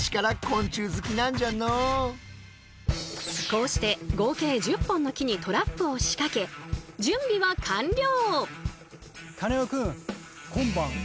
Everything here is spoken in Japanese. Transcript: こうして合計１０本の木にトラップを仕掛け準備は完了！